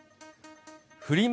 フリマ